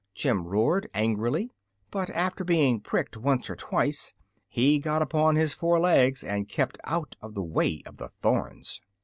Jim roared, angrily; but after being pricked once or twice he got upon his four legs and kept out of the way of the thorns.